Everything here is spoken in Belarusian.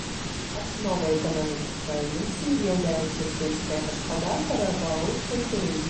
Асновай эканомікі правінцыі з'яўляюцца сельская гаспадарка, рыбалоўства і турызм.